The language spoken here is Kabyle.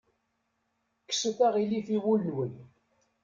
Kkset aɣilif i wul-nwen.